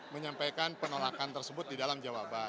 menyampaikan penolakan tersebut di dalam jawaban